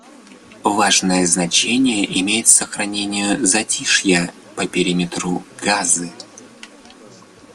Важное значение имеет сохранение «затишья» по периметру Газы.